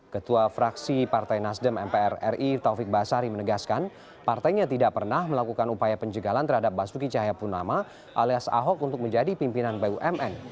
ketua fraksi partai nasdem mpr ri taufik basari menegaskan partainya tidak pernah melakukan upaya penjagalan terhadap basuki cahayapunama alias ahok untuk menjadi pimpinan bumn